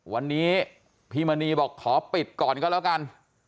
วันนี้พี่มณีบอกขอปิดก่อนก็แล้วกัน